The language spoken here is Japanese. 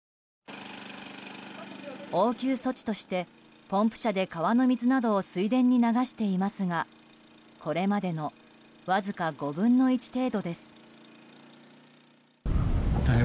応急措置として、ポンプ車で川の水などを水田に流していますがこれまでのわずか５分の１程度です。